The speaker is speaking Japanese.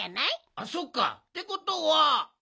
あそっか。ってことは。